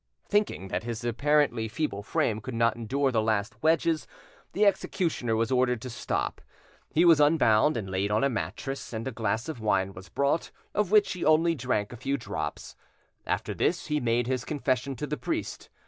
Thinking that his apparently feeble frame could not endure the last wedges, the executioner was ordered to stop. He was unbound and laid on a mattress, and a glass of wine was brought, of which he only drank a few drops; after this, he made his confession to the priest.